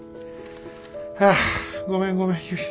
はあごめんごめんゆい。